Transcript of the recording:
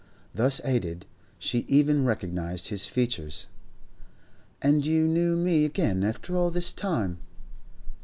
Thus aided, she even recognised his features. 'And you knew me again after all this time?